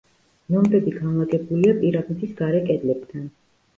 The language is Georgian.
ნომრები განლაგებულია „პირამიდის“ გარე კედლებთან.